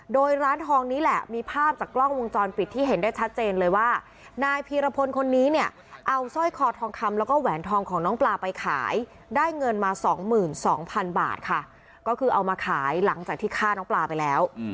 โดยร้านทองนี้แหละมีภาพจากกล้องวงจรปิดที่เห็นได้ชัดเจนเลยว่า